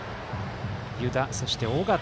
湯田、そして尾形